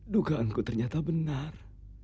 dugaanku ternyata benar